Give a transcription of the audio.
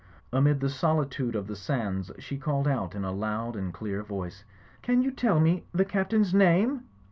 Amid the solitude of the sands she called out in a loud and dear voice, "Can you tell me the Captain's name?"